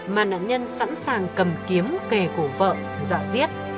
mà nạn nhân sẵn sàng cầm kiếm kề cổ vợ dọa giết